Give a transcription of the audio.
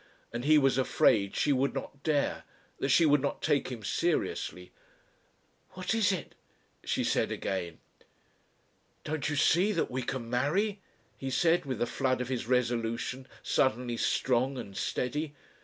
And he was afraid she would not dare, that she would not take him seriously. "What is it?" she said again. "Don't you see that we can marry?" he said, with the flood of his resolution suddenly strong and steady.